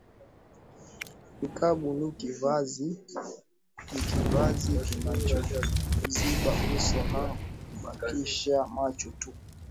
Nikabu ni kivazi kinachoziba uso na kubakisha macho tu